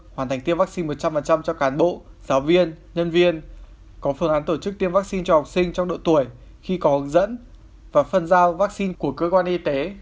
hoàn thành tiêm vaccine một trăm linh cho cán bộ giáo viên nhân viên có phương án tổ chức tiêm vaccine cho học sinh trong độ tuổi khi có hướng dẫn và phân giao vaccine của cơ quan y tế